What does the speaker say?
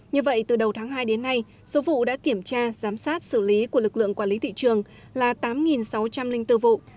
như vậy từ đầu tháng hai đến nay số vụ đã kiểm tra giám sát xử lý của lực lượng quản lý thị trường là tám sáu trăm linh bốn vụ